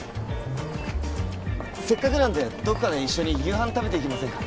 せっかくなんでどこかで一緒に夕飯食べていきませんか？